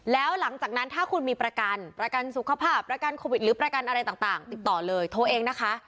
แล้วหลังจากนั้นถ้าคุณมีประกันประกันสุขภาพประกันโควิดหรือประกันอะไรต่างติดต่อเลยโทรเองนะคะ